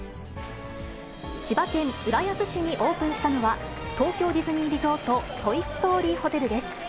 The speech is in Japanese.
千葉県浦安市にオープンしたのは、東京ディズニーリゾート・トイ・ストーリーホテルです。